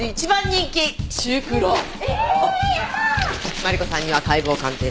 マリコさんには解剖鑑定書。